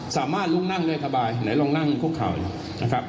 สามารถลุกนั่งได้สบายไหนลองนั่งคุกเข่าดูนะครับ